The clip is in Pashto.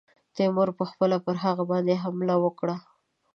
تیمور پخپله پر هغوی باندي حمله وکړه.